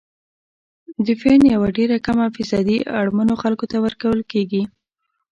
د فنډ یوه ډیره کمه فیصدي اړمنو خلکو ته ورکول کیږي.